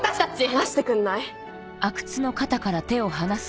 離してくんない？